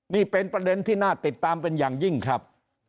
นี่เป็นประเด็นที่น่าติดตามเป็นอย่างยิ่งครับ